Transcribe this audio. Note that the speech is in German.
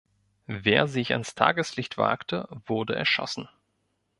Wer sich ans Tageslicht wagte, wurde erschossen.